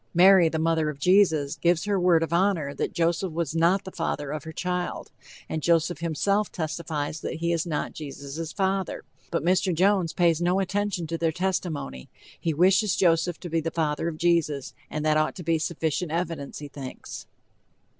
Mary, the mother of Jesus, gives her word of honor that Joseph was not the father of her child, and Joseph himself testifies that he is not Jesus' father, but Mr. Jones pays no attention to their testimony; he wishes Joseph to be the father of Jesus, and that ought to be sufficient evidence, he thinks.